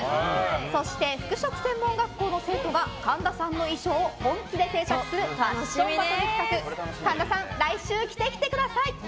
そして、服飾専門学校の生徒が神田さんの衣装を本気で制作するファッションバトル企画神田さん、来週着てください！